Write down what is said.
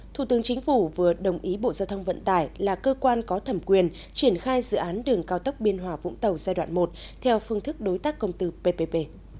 thủ tướng chính phủ vừa đồng ý bộ giao thông vận tải là cơ quan có thẩm quyền triển khai dự án đường cao tốc biên hòa vũng tàu giai đoạn một theo phương thức đối tác công tư ppp